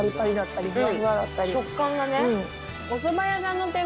食感がね。